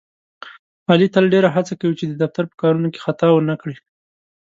علي تل ډېره هڅه کوي، چې د دفتر په کارونو کې خطا ونه کړي.